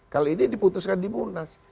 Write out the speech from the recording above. kali ini diputuskan di munas